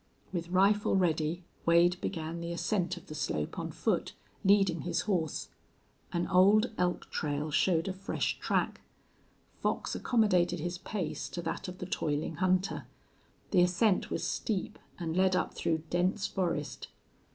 With rifle ready Wade began the ascent of the slope on foot, leading his horse. An old elk trail showed a fresh track. Fox accommodated his pace to that of the toiling hunter. The ascent was steep and led up through dense forest.